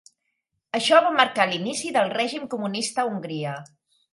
Això va marcar l'inici del règim comunista a Hongria.